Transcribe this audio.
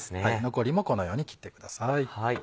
残りもこのように切ってください。